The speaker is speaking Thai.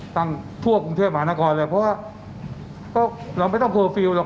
ตั้งทั่วกรุงเทพอาณาคมเลยเพราะว่าเราไม่ต้องเคอร์ฟิลหรอก